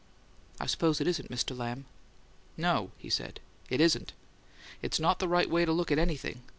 "I suppose it isn't, Mr. Lamb." "No," he said. "It isn't. It's not the right way to look at anything.